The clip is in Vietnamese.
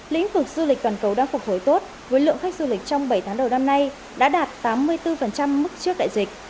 lĩnh vực du lịch toàn cầu đang phục hồi tốt với lượng khách du lịch trong bảy tháng đầu năm nay đã đạt tám mươi bốn mức trước đại dịch